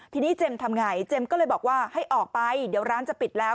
ทีนี้เจมส์ทำไงเจมส์ก็เลยบอกว่าให้ออกไปเดี๋ยวร้านจะปิดแล้ว